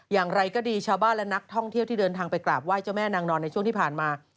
อย่างไรก็ดีชาวบ้านและนักท่องเที่ยวที่เดินทางไปกราบไห้เจ้าแม่นางนอนในช่วงที่ผ่านมา